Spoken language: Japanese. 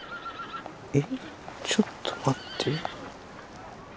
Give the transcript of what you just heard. えっちょっと待って。